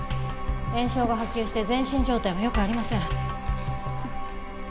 炎症が波及して全身状態もよくありません。